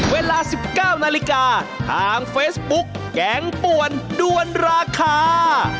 เวลา๑๙นาฬิกาทางเฟซบุ๊กแกงป่วนด้วนราคา